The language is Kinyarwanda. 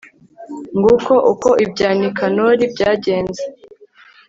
nguko uko ibya nikanori byagenze